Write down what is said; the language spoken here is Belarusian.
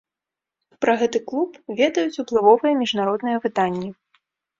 Пра гэты клуб ведаюць уплывовыя міжнародныя выданні.